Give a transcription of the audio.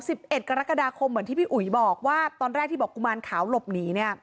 สิบเอ็ดกรกฎาคมเหมือนที่พี่อุ๋ยบอกว่าตอนแรกที่บอกกุมารขาวหลบหนีเนี่ย